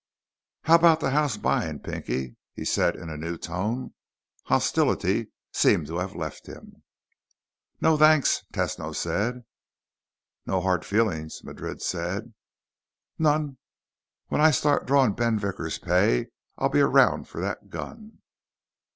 "How about the house buying, Pinky," he said in a new tone. Hostility seemed to have left him. "No thanks," Tesno said. "No hard feelings," Madrid said. "None. When I start drawing Ben Vickers' pay, I'll be around for that gun."